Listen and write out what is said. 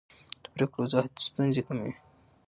د پرېکړو وضاحت ستونزې کموي